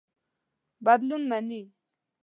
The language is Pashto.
بدلون مني.